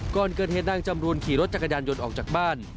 ก่อนเกิดเหตุนางจำรูนขี่รถจักรยานยนต์ออกจากบ้าน